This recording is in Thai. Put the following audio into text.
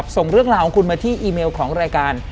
ส่งเรื่องราวของคุณมาที่อีเมลของรายการ